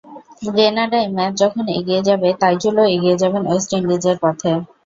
গ্রেনাডায় match যখন এগিয়ে যাবে, তাইজুলও এগিয়ে যাবেন ওয়েস্ট ইন্ডিজের পথে।